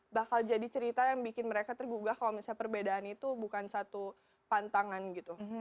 bakal jadi cerita yang bikin mereka tergugah kalau misalnya perbedaan itu bukan satu pantangan gitu